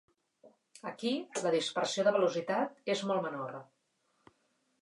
Aquí, la dispersió de velocitat és molt menor.